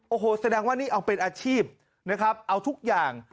โอ้โหแสดงว่านี่เอาเป็นอาชีพนะครับเอาทุกอย่าง